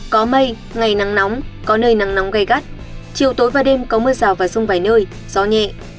có mây ngày nắng nóng có nơi nắng nóng gai gắt chiều tối và đêm có mưa rào và rông vài nơi gió nhẹ